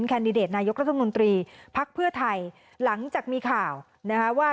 แคนดิเดตนายกรัฐมนตรีภักดิ์เพื่อไทยหลังจากมีข่าวว่า